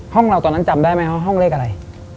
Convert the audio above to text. ห้องเราตอนนั้นจำได้ไหมว่าห้องเลขอะไร